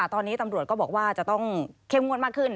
ตอนนี้ตำรวจก็บอกว่าจะต้องเข้มงวดมากขึ้น